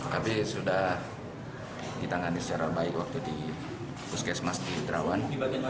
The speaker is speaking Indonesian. tapi sudah ditangani secara baik waktu di puskesmas di terawan